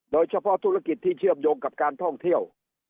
โดยเฉพาะธุรกิจที่เชื่อมโยงกับการท่องเที่ยว